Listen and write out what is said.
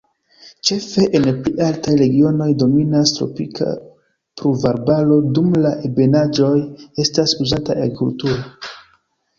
Ĉefe en pli altaj regionoj dominas tropika pluvarbaro, dum la ebenaĵoj estas uzataj agrikulture.